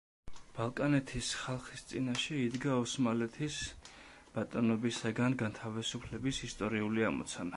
ბალკანეთის ხალხის წინაშე იდგა ოსმალეთის ბატონობისაგან განთავისუფლების ისტორიულ ამოცანა.